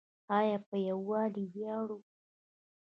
آیا په یوالي ویاړو؟